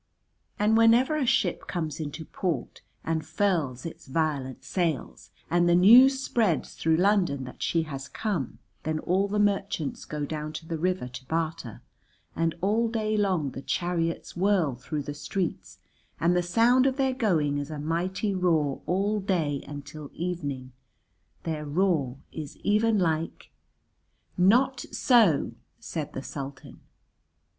And whenever a ship comes into port and furls its violet sails and the news spreads through London that she has come, then all the merchants go down to the river to barter, and all day long the chariots whirl through the streets, and the sound of their going is a mighty roar all day until evening, their roar is even like " "Not so," said the Sultan.